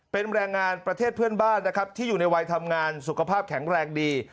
เป็นแรงงานประเทศเพื่อนบ้านนะครับที่อยู่ในวัยทำงานสุขภาพแข็งแรงดี